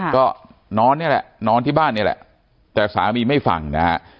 ก็นอนนี่แหละนอนที่บ้านนี่แหละแต่สามีไม่ฟังนะฮะ